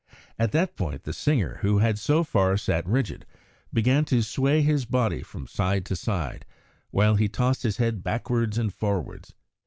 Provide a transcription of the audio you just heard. At that point the singer, who had so far sat rigid, began to sway his body from side to side, while he tossed his head backwards and forwards.